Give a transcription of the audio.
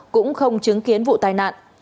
cũng không chứng kiến vụ tai nạn